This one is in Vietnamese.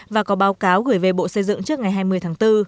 và có báo cáo gửi về bộ xây dựng trước ngày hai mươi tháng bốn